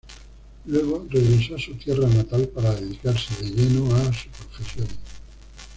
Luego, regresó a su tierra natal para dedicarse de lleno a su profesión.